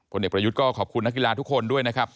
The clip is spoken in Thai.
เด็กประยุทธ์ก็ขอบคุณนักกีฬาทุกคนด้วยนะครับ